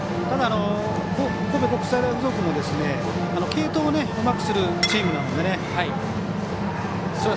神戸国際大付属も継投をうまくするチームなのでね。